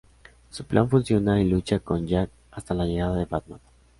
Su plan funciona y lucha con Jack hasta la llegada de Batman.